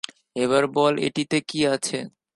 এবার বল এটিতে কী আছে?